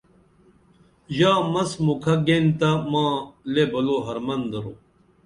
ژابہ مس موکھہ گینتہ ماں لے بلو حرمن درو